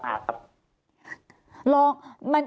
ก็คือโลกลงการเทียบที่เราได้รับมาครับ